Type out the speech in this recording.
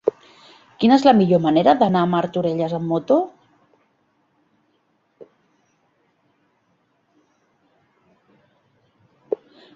Quina és la millor manera d'anar a Martorelles amb moto?